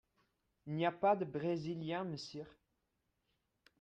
Il n’y a pas de Brésilien, monsieur !